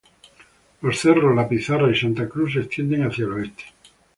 Los cerros La Pizarra y Santa Cruz se extienden hacia el oeste.